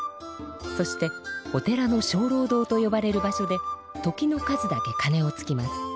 そしてお寺のしょうろう堂とよばれる場所で時の数だけかねをつきます。